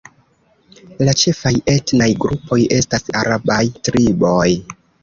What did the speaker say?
La ĉefaj etnaj grupoj estas arabaj triboj.